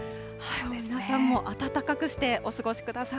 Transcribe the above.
皆さんも暖かくしてお過ごしください。